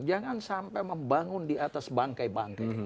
jangan sampai membangun di atas bangkai bangkai